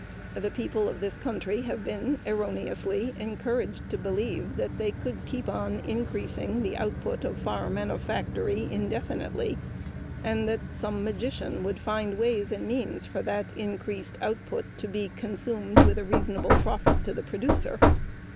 The people of this country have been erroneously encouraged to believe that they could keep on increasing the output of farm and factory indefinitely and that some magician would find ways and means for that increased output to be consumed with reasonable profit to the producer.